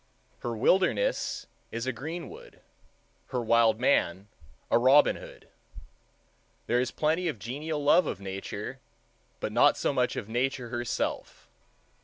Her wilderness is a green wood, her wild man a Robin Hood. There is plenty of genial love of Nature, but not so much of Nature herself.